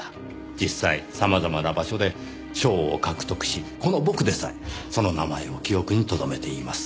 実際様々な場所で賞を獲得しこの僕でさえその名前を記憶にとどめています。